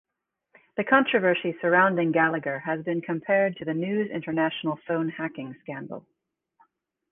The controversy surrounding Gallagher has been compared to the News International phone hacking scandal.